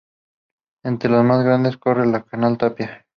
Entre las más grades corre el canal Tapia.